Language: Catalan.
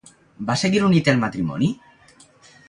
Va seguir unit el matrimoni?